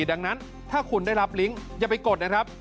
ดังนั้นถ้าคุณได้รับลิงก์อย่าไปกดนะครับ